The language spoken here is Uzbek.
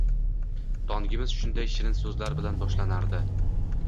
Tongimiz shunday shirin so’zlar bilan boshlanardi.